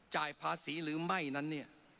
จ่ายภาษีหรือไม่นั้นเนี่ย